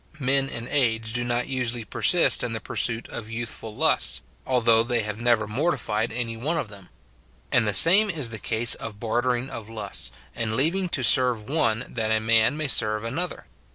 Men in age do not usually persist in the pursuit of youthful lusts, although they have never mortified any one of them. And the same is the case of bartering of lusts, and leaving to serve one that a man may serve another.